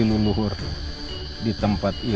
jalik di tempat tersebut